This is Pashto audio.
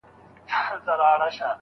ژوند به جهاني پر ورکه لار درڅخه وړی وي